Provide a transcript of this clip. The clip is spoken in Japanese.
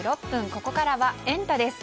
ここからはエンタ！です。